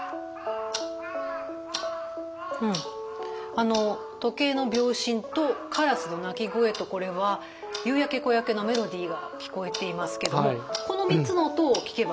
あの時計の秒針とカラスの鳴き声とこれは「夕焼け小焼け」のメロディーが聞こえていますけどもこの３つの音を聴けばいいんですか？